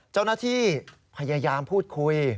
เจ้าหน้าที่พยายามพูดคุย